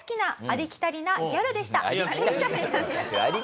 ありきたりなギャルです。